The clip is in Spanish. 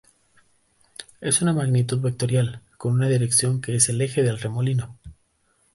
Es una magnitud vectorial, con una dirección que es el eje del remolino.